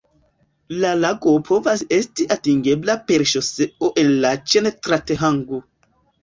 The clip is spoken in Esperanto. La lago povas esti atingebla per ŝoseo el Laĉen tra Thangu.